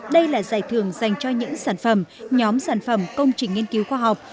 đây là giải thưởng dành cho những sản phẩm nhóm sản phẩm công trình nghiên cứu khoa học